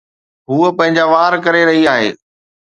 هوءَ پنهنجا وار ڪري رهي آهي